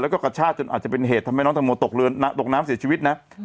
ก็กัดชาติจนอาจจะเป็นเหตุทำไมน้องตางโมตกน้ำเสียชีวิตนะ